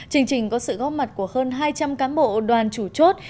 chương trình có sự góp mặt của hơn hai trăm linh cán bộ đoàn chủ chốt